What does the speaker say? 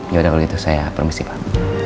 yaudah kalau gitu saya permisi pak